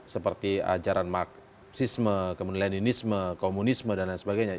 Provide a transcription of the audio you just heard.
seperti ajaran marxisme leninisme komunisme dan lain sebagainya